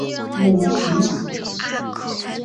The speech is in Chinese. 母秦氏。